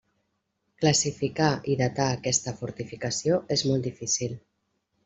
Classificar i datar aquesta fortificació és molt difícil.